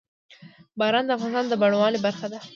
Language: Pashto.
باران د افغانستان د بڼوالۍ برخه ده.